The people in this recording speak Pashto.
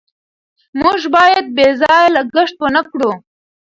موږ باید بې ځایه لګښت ونکړو.